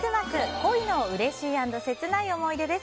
恋のうれしい＆切ない思い出です。